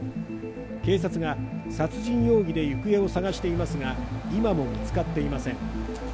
警察が殺人容疑で行方を探していますが、今も見つかっていません。